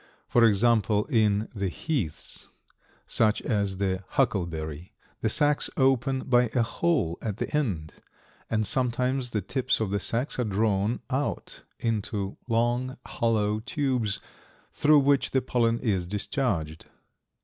For example, in the heaths, such as the huckleberry, the sacs open by a hole at one end, and sometimes the tips of the sacs are drawn out into long, hollow tubes through which the pollen is discharged.